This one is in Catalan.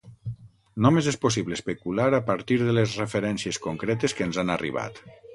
Només és possible especular a partir de les referències concretes que ens han arribat.